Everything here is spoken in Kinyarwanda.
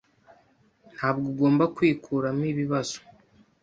Ntabwo ugomba kwikuramo ibibazo.